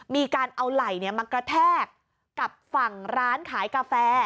มีการเอาไหล่มากระแทกกับฝั่งร้านขายกาแฟ